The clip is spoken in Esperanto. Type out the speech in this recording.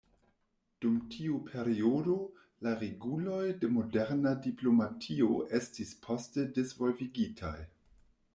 Dum tiu periodo la reguloj de moderna diplomatio estis poste disvolvigitaj.